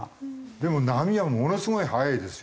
でも波はものすごい早いですよね。